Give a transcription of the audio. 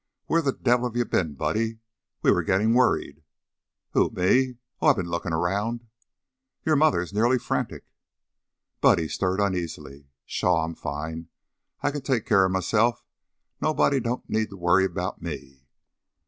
"Where the devil have you been, Buddy? We were getting worried." "Who, me? Oh, I been lookin' around." "Your mother is nearly frantic." Buddy stirred uneasily. "Pshaw! I'm fine. I can take keer of myself. Nobody don't need to worry about me."